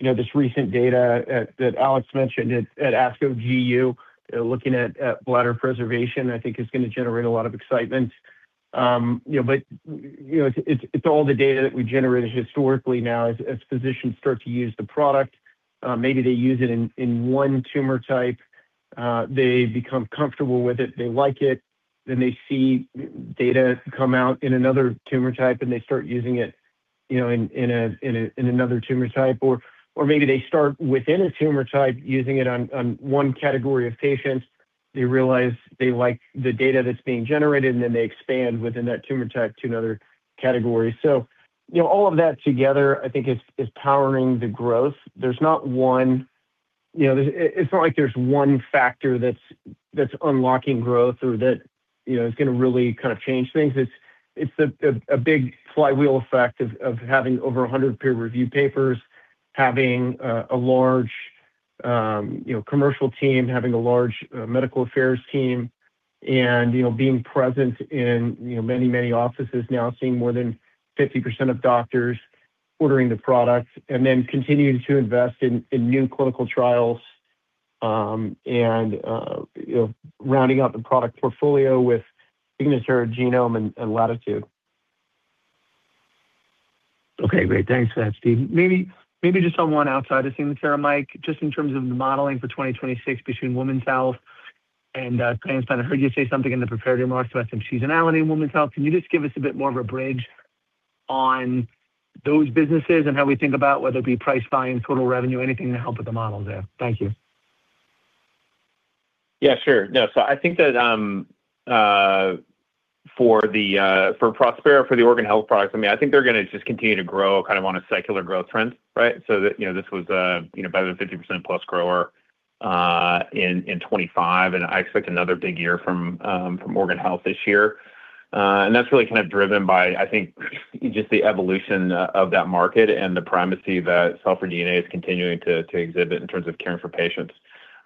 you know, this recent data that Alex mentioned at ASCO GU, looking at bladder preservation, I think is gonna generate a lot of excitement. You know, it's, it's all the data that we generated historically now as physicians start to use the product, maybe they use it in one tumor type, they become comfortable with it, they like it, then they see data come out in another tumor type, and they start using it, you know, in a, in a, in another tumor type. Maybe they start within a tumor type, using it on one category of patients. They realize they like the data that's being generated, and then they expand within that tumor type to another category. You know, all of that together, I think is powering the growth. There's not one. You know, there's, it's not like there's one factor that's unlocking growth or that, you know, is gonna really kind of change things. It's a big flywheel effect of having over 100 peer-reviewed papers, having a large, you know, commercial team, having a large medical affairs team, and, you know, being present in, you know, many offices now, seeing more than 50% of doctors ordering the product and then continuing to invest in new clinical trials, and, you know, rounding out the product portfolio with Signatera Genome and Latitude. Okay, great. Thanks for that, Steve. Maybe just on one outside of Signatera, Mike, just in terms of the modeling for 2026 between Women's Health and cancer. I heard you say something in the prepared remarks about some seasonality in Women's Health. Can you just give us a bit more of a bridge on those businesses and how we think about whether it be price, volume, total revenue, anything to help with the models there? Thank you. Sure. I think that for Prospera, for the Organ Health products, I mean, I think they're gonna just continue to grow kind of on a secular growth trend, right? That, you know, this was, you know, better than 50%+ grower in 2025, and I expect another big year from Organ Health this year. That's really kind of driven by, I think, just the evolution of that market and the primacy that cell-free DNA is continuing to exhibit in terms of caring for patients.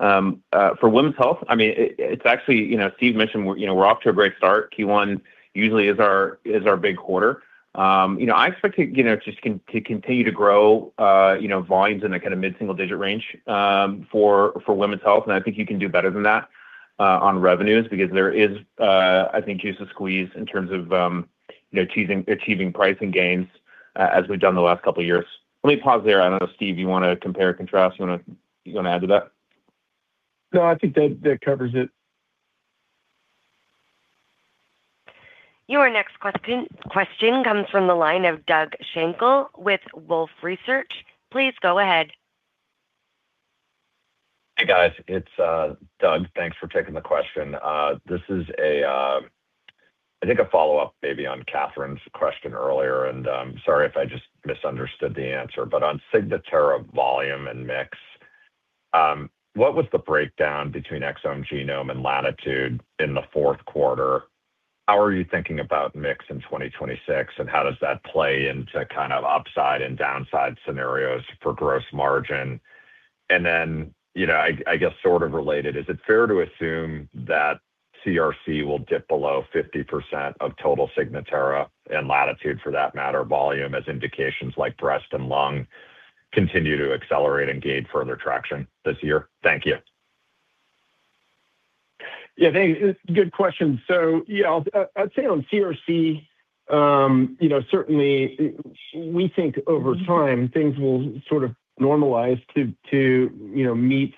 For Women's Health, I mean, it's actually, you know, Steve mentioned we're, you know, we're off to a great start. Q1 usually is our big quarter. You know, I expect to, you know, just to continue to grow, you know, volumes in the kind of mid-single-digit range, for Women's Health. I think you can do better than that, on revenues because there is, I think, juice to squeeze in terms of, you know, achieving pricing gains as we've done the last couple of years. Let me pause there. I don't know, Steve, you want to compare and contrast? You want to add to that? No, I think that covers it. Your next question comes from the line of Doug Schenkel with Wolfe Research. Please go ahead. Hey, guys, it's Doug. Thanks for taking the question. This is I think a follow-up maybe on Catherine's question earlier, and I'm sorry if I just misunderstood the answer. On Signatera volume and mix, what was the breakdown between Exome, Genome, and Latitude in the fourth quarter? How are you thinking about mix in 2026, and how does that play into kind of upside and downside scenarios for gross margin? Then, you know, I guess, sort of related, is it fair to assume that CRC will dip below 50% of total Signatera and Latitude for that matter, volume as indications like breast and lung continue to accelerate and gain further traction this year? Thank you. Yeah, thanks. Good question. I'd say on CRC, you know, certainly we think over time things will sort of normalize to, you know, meet,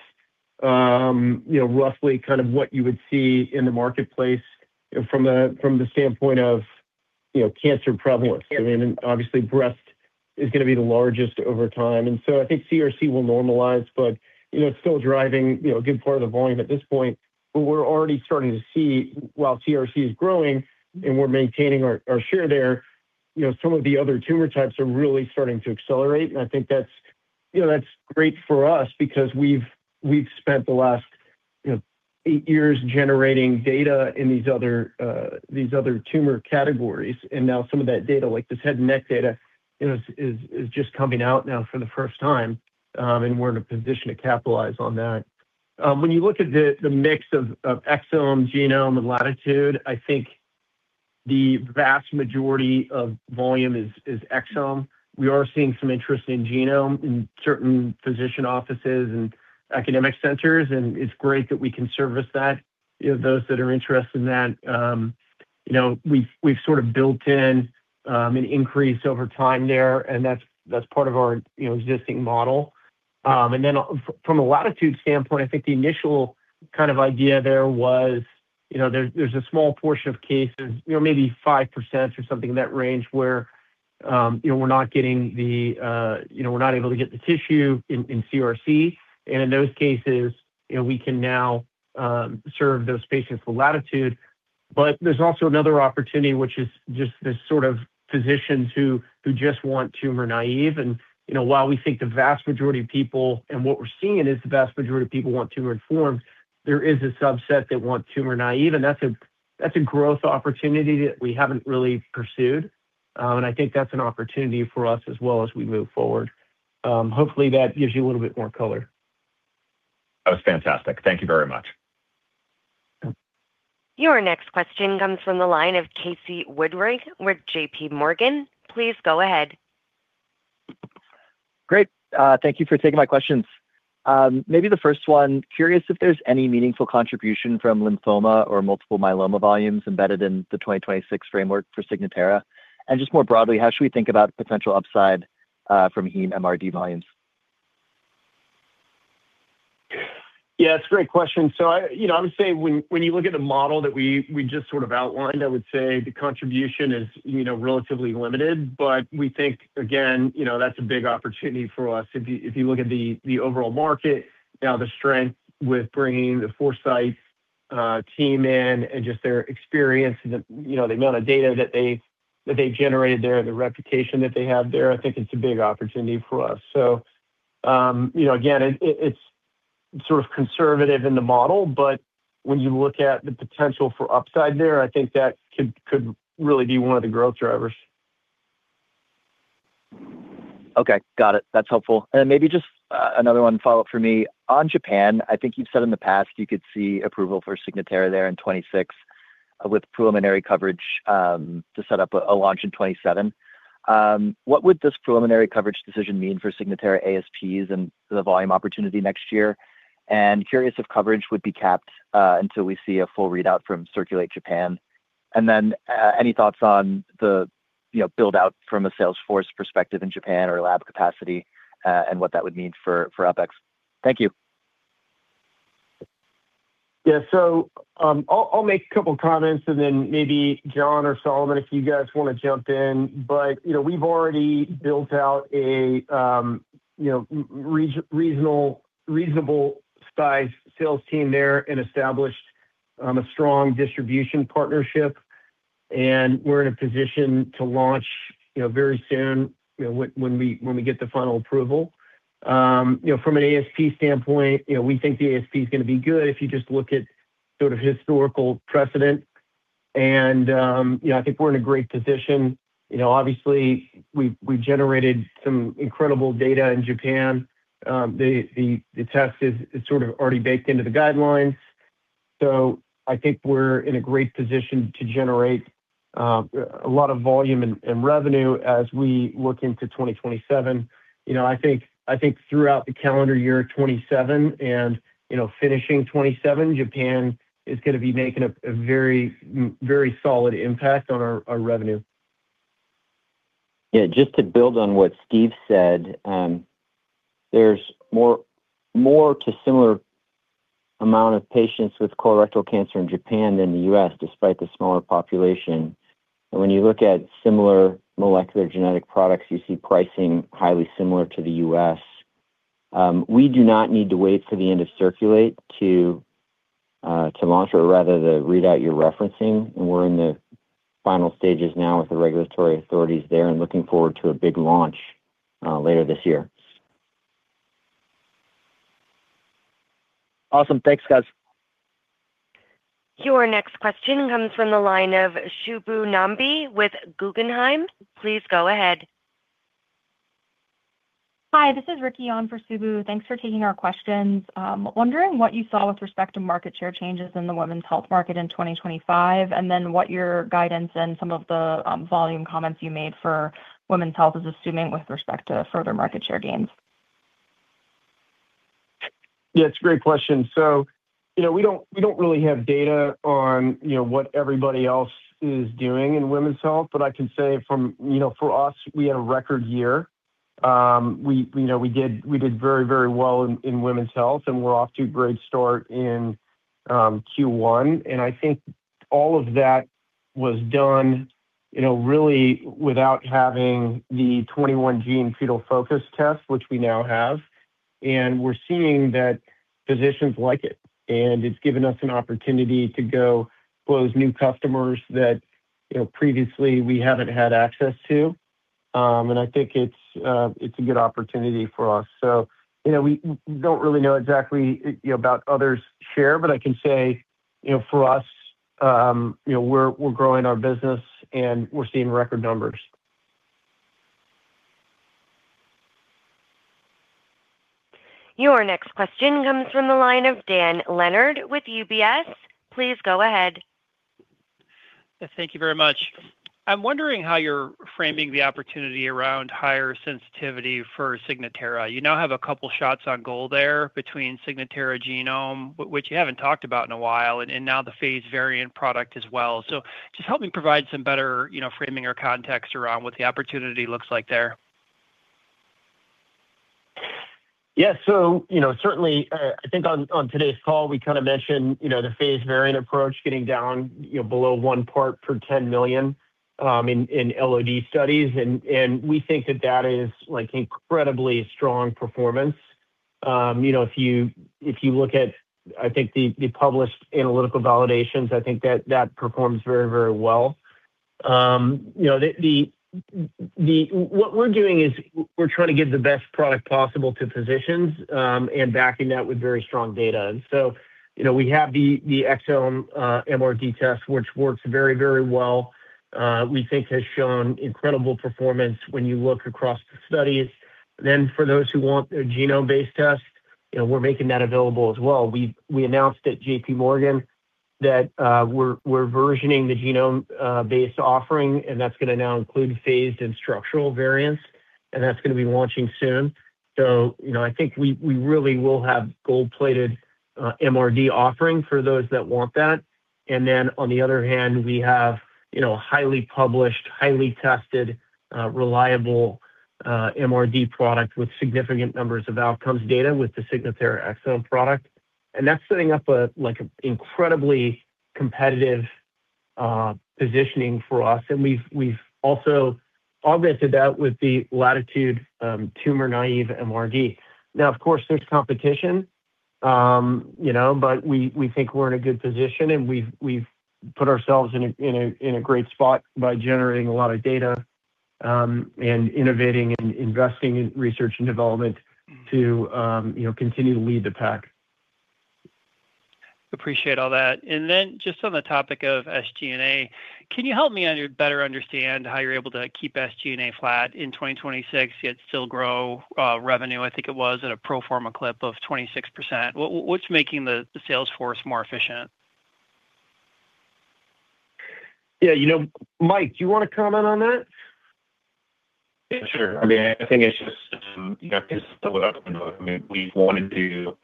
you know, roughly kind of what you would see in the marketplace from the standpoint of, you know, cancer prevalence. I mean, and obviously breast is gonna be the largest over time. I think CRC will normalize, but, you know, it's still driving, you know, a good part of the volume at this point. We're already starting to see while CRC is growing and we're maintaining our share there, you know, some of the other tumor types are really starting to accelerate. I think that's, you know, that's great for us because we've spent the last, you know, eight years generating data in these other tumor categories. Now some of that data, like this head and neck data, you know, is just coming out now for the first time, and we're in a position to capitalize on that. When you look at the mix of Exome, Genome, and Latitude, I think the vast majority of volume is Exome. We are seeing some interest in Genome in certain physician offices and academic centers, and it's great that we can service that, you know, those that are interested in that. You know, we've sort of built in an increase over time there, and that's part of our, you know, existing model. From a Latitude standpoint, I think the initial kind of idea there was, you know, there's a small portion of cases, you know, maybe 5% or something in that range where, you know, we're not getting the, you know, we're not able to get the tissue in CRC. In those cases, you know, we can now serve those patients with Latitude. There's also another opportunity, which is just this sort of physicians who just want tumor-naive. You know, while we think the vast majority of people and what we're seeing is the vast majority of people want tumor-informed, there is a subset that want tumor-naive, and that's a growth opportunity that we haven't really pursued. I think that's an opportunity for us as well as we move forward. Hopefully that gives you a little bit more color. That was fantastic. Thank you very much. Your next question comes from the line of Casey Woodring with JPMorgan. Please go ahead. Great. Thank you for taking my questions. Maybe the first one, curious if there's any meaningful contribution from lymphoma or multiple myeloma volumes embedded in the 2026 framework for Signatera. Just more broadly, how should we think about potential upside, from heme MRD volumes? Yeah, that's a great question. You know, I would say when you look at the model that we just sort of outlined, I would say the contribution is, you know, relatively limited. We think, again, you know, that's a big opportunity for us. If you look at the overall market, now the strength with bringing the Foresight team in and just their experience and the, you know, the amount of data that they generated there, the reputation that they have there, I think it's a big opportunity for us. You know, again, it's sort of conservative in the model, but when you look at the potential for upside there, I think that could really be one of the growth drivers. Okay. Got it. That's helpful. Maybe just another one follow up for me. On Japan, I think you've said in the past you could see approval for Signatera there in 2026, with preliminary coverage, to set up a launch in 2027. What would this preliminary coverage decision mean for Signatera ASPs and the volume opportunity next year? Curious if coverage would be capped, until we see a full readout from CIRCULATE Japan. Then, any thoughts on the, you know, build-out from a sales force perspective in Japan or lab capacity, and what that would mean for OpEx? Thank you. Yeah. I'll make a couple of comments and then maybe John or Solomon, if you guys wanna jump in. You know, we've already built out a reasonable size sales team there and established a strong distribution partnership, and we're in a position to launch, you know, very soon, you know, when we get the final approval. You know, from an ASP standpoint, you know, we think the ASP is gonna be good if you just look at sort of historical precedent. You know, I think we're in a great position. You know, obviously we generated some incredible data in Japan. The test is sort of already baked into the guidelines. I think we're in a great position to generate a lot of volume and revenue as we look into 2027. You know, I think throughout the calendar year of 2027 and, you know, finishing 2027, Japan is gonna be making a very solid impact on our revenue. Yeah. Just to build on what Steve said, there's more to similar amount of patients with colorectal cancer in Japan than the U.S., despite the smaller population. When you look at similar molecular genetic products, you see pricing highly similar to the U.S. we do not need to wait for the end of CIRCULATE to launch or rather the readout you're referencing. We're in the final stages now with the regulatory authorities there and looking forward to a big launch later this year. Awesome. Thanks, guys. Your next question comes from the line of Subbu Nambi with Guggenheim. Please go ahead. Hi, this is Ricki on for Subbu. Thanks for taking our questions. Wondering what you saw with respect to market share changes in the Women's Health market in 2025, and then what your guidance and some of the volume comments you made for Women's Health is assuming with respect to further market share gains. Yeah, it's a great question. You know, we don't really have data on, you know, what everybody else is doing in Women's Health, but I can say from, you know, for us, we had a record year. We know we did very well in Women's Health, and we're off to a great start in Q1. I think all of that was done, you know, really without having the 21 gene Fetal Focus test, which we now have. We're seeing that physicians like it, and it's given us an opportunity to go close new customers that, you know, previously we haven't had access to. I think it's a good opportunity for us. You know, we don't really know exactly, you know, about others share, but I can say, you know, for us, you know, we're growing our business, and we're seeing record numbers. Your next question comes from the line of Dan Leonard with UBS. Please go ahead. Thank you very much. I'm wondering how you're framing the opportunity around higher sensitivity for Signatera. You now have a couple shots on goal there between Signatera Genome, which you haven't talked about in a while, and now the phased variant product as well. Just help me provide some better, you know, framing or context around what the opportunity looks like there. Yes. you know, certainly, I think on today's call, we kinda mentioned, you know, the phased variant approach getting down, you know, below one part per 10 million in LOD studies, and we think that that is, like, incredibly strong performance. you know, if you, if you look at, I think, the published analytical validations, I think that performs very, very well. you know, what we're doing is we're trying to give the best product possible to physicians, and backing that with very strong data. you know, we have the Exome MRD test, which works very, very well, we think has shown incredible performance when you look across the studies. for those who want a Genome-based test, you know, we're making that available as well. We announced at JPMorgan that we're versioning the Genome-based offering, and that's gonna now include phased and structural variants, and that's gonna be launching soon. You know, I think we really will have gold-plated MRD offerings for those that want that. Then, on the other hand, we have, you know, highly published, highly tested, reliable MRD product with significant numbers of outcomes data with the Signatera Exome product. That's setting up a, like, an incredibly competitive positioning for us. We've also augmented that with the Latitude tumor-naive MRD. Now, of course, there's competition, you know, but we think we're in a good position, and we've put ourselves in a great spot by generating a lot of data, and innovating and investing in research and development to, you know, continue to lead the pack. Appreciate all that. Just on the topic of SG&A, can you help me better understand how you're able to keep SG&A flat in 2026, yet still grow revenue? I think it was at a pro forma clip of 26%. What's making the sales force more efficient? Yeah, you know, Mike, do you want to comment on that? Yeah, sure. I mean, I think it's just, you know, it's the I mean, we wanted to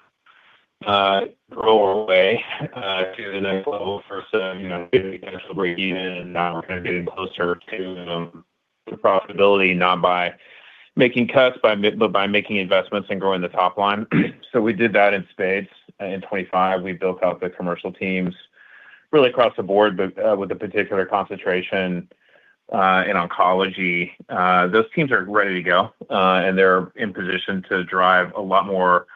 grow our way to the next level versus, you know, breaking even, and now we're getting closer to profitability, not by making cuts, but by making investments and growing the top line. We did that in spades. In 2025, we built out the commercial teams really across the board, but with a particular concentration in oncology. Those teams are ready to go, and they're in position to drive a lot more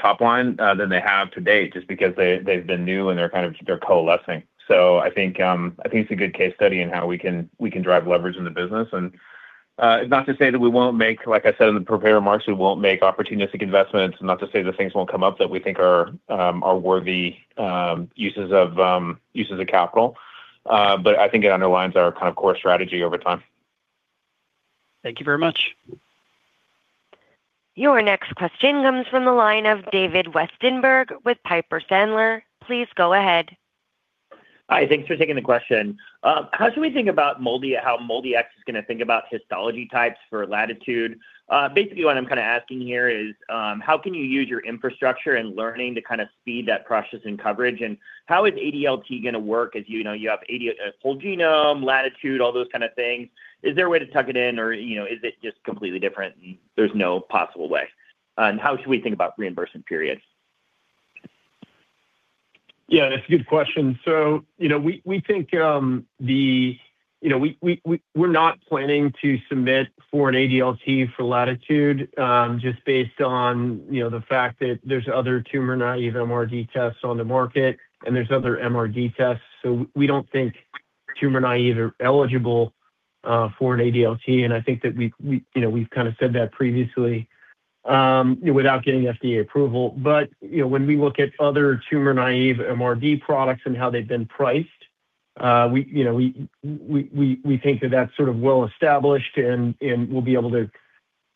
top line than they have to date, just because they've been new, and they're kind of coalescing. I think, I think it's a good case study in how we can, we can drive leverage in the business. It's not to say that we won't make, like I said, in the prepared remarks, we won't make opportunistic investments, not to say that things won't come up that we think are worthy uses of capital. I think it underlines our kind of core strategy over time. Thank you very much. Your next question comes from the line of David Westenberg with Piper Sandler. Please go ahead. Hi, thanks for taking the question. How should we think about how MolDX is gonna think about histology types for Latitude? Basically, what I'm kinda asking here is, how can you use your infrastructure and learning to kinda speed that process and coverage, and how is ADLT gonna work as you know, you have a whole Genome, Latitude, all those kind of things? Is there a way to tuck it in, or, you know, is it just completely different and there's no possible way? How should we think about reimbursement periods? Yeah, that's a good question. You know, we think, you know, we're not planning to submit for an ADLT for Latitude, just based on, you know, the fact that there's other tumor-naive MRD tests on the market, and there's other MRD tests. We don't think tumor-naive are eligible for an ADLT, and I think that we, you know, we've kind of said that previously, without getting FDA approval. You know, when we look at other tumor-naive MRD products and how they've been priced, we, you know, we think that that's sort of well-established and we'll be able to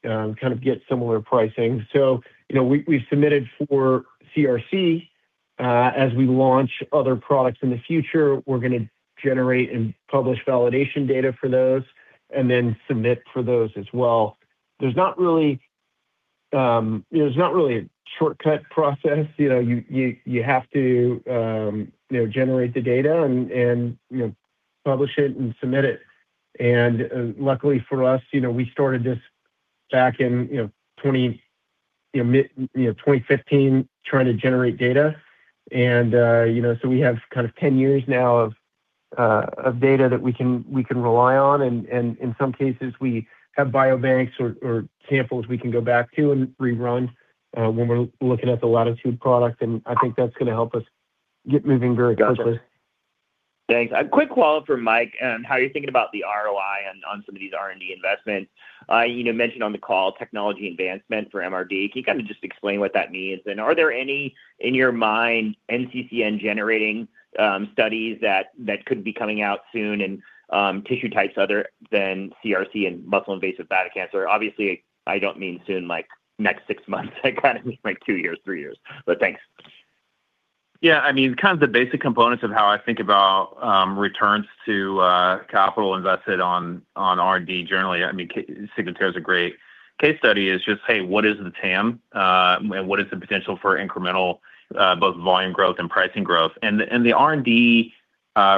kind of get similar pricing. You know, we've submitted for CRC. As we launch other products in the future, we're gonna generate and publish validation data for those and then submit for those as well. There's not really a shortcut process. You know, you have to, you know, generate the data and, you know, publish it and submit it. Luckily for us, you know, we started this back in, you know, mid, you know, 2015, trying to generate data. So we have kind of 10 years now of data that we can rely on, and in some cases, we have biobanks or samples we can go back to and rerun when we're looking at the Latitude product, and I think that's gonna help us get moving very quickly. Got it. Thanks. A quick follow-up for Mike on some of these R&D investments. you know, mentioned on the call, technology advancement for MRD. Can you kind of just explain what that means? Are there any, in your mind, NCCN-generating studies that could be coming out soon in tissue types other than CRC and muscle-invasive bladder cancer? Obviously, I don't mean soon, like next six months. I kind of mean like two years, three years. Thanks. I mean, kind of the basic components of how I think about returns to capital invested on R&D generally, I mean, Signatera is a great case study, is just, hey, what is the TAM? What is the potential for incremental both volume growth and pricing growth? The R&D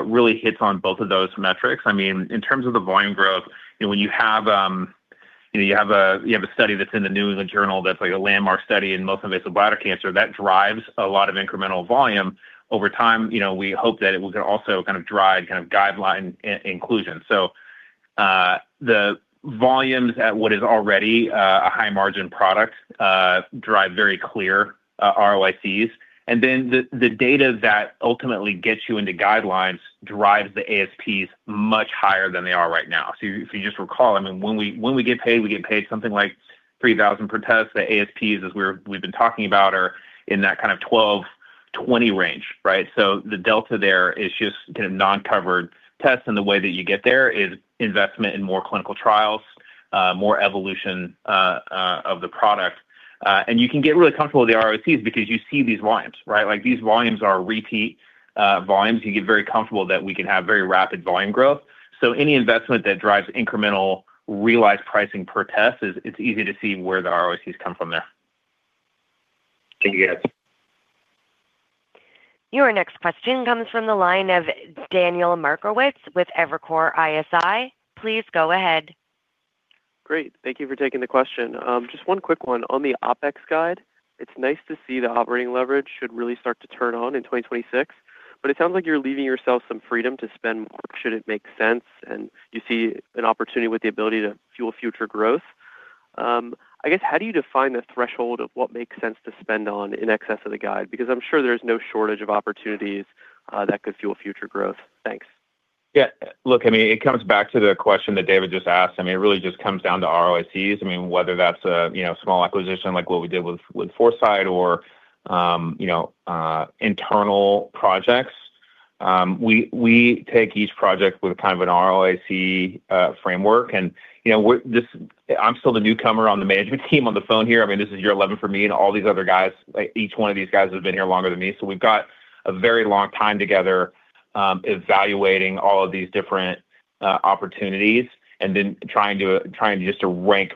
really hits on both of those metrics. I mean, in terms of the volume growth, and when you have, you know, you have a, you have a study that's in the New England Journal that's like a landmark study in muscle-invasive bladder cancer, that drives a lot of incremental volume over time. You know, we hope that it will also kind of drive kind of guideline inclusion. The volumes at what is already a high-margin product drive very clear ROICs. The data that ultimately gets you into guidelines drives the ASPs much higher than they are right now. If you just recall, I mean, when we get paid, we get paid something like $3,000 per test. The ASPs, as we've been talking about, are in that kind of $12, $20 range, right? The delta there is just kind of non-covered tests, and the way that you get there is investment in more clinical trials, more evolution of the product. And you can get really comfortable with the ROICs because you see these volumes, right? Like, these volumes are repeat volumes. You get very comfortable that we can have very rapid volume growth. Any investment that drives incremental realized pricing per test, it's easy to see where the ROICs come from there. Thank you, guys. Your next question comes from the line of Daniel Markowitz with Evercore ISI. Please go ahead. Great. Thank you for taking the question. Just one quick one. On the OpEx guide, it's nice to see the operating leverage should really start to turn on in 2026. It sounds like you're leaving yourself some freedom to spend more, should it make sense, and you see an opportunity with the ability to fuel future growth. I guess, how do you define the threshold of what makes sense to spend on in excess of the guide? I'm sure there's no shortage of opportunities that could fuel future growth. Thanks. Yeah. Look, I mean, it comes back to the question that David just asked. I mean, it really just comes down to ROICs. I mean, whether that's a, you know, small acquisition, like what we did with Foresight or, you know, internal projects. We take each project with kind of an ROIC framework, and, you know, I'm still the newcomer on the management team on the phone here. I mean, this is year 11 for me and all these other guys. Like, each one of these guys has been here longer than me. We've got a very long time together, evaluating all of these different opportunities and then trying just to rank,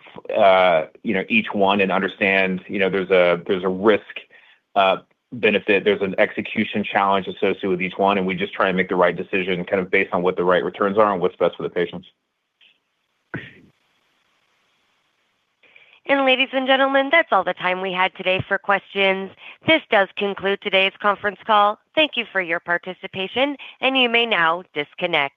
you know, each one and understand, you know, there's a risk, benefit, there's an execution challenge associated with each one, and we just try and make the right decision kind of based on what the right returns are and what's best for the patients. Ladies and gentlemen, that's all the time we had today for questions. This does conclude today's conference call. Thank you for your participation, and you may now disconnect.